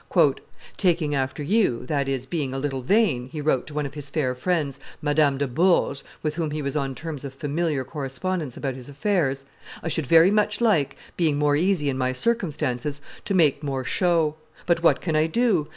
"Taking after you, that is, being a little vain," he wrote to one of his fair friends, Madame de Bourges, with whom he was on terms of familiar correspondence about his affairs, "I should very much like, being more easy in my circumstances, to make more show: but what can I do?